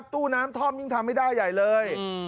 ตู้น้ำท่อมยิ่งทำไม่ได้ใหญ่เลย